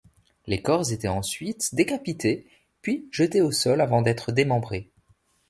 Les corps étaient ensuite décapités puis jetés au sol avant d'être démembrés.